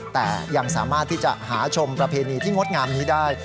แต่ยังสามารถที่จะหาชมประเพณีที่งดงามนี้ได้